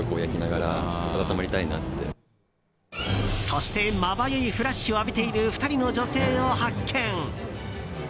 そして、まばゆいフラッシュを浴びている２人の女性を発見。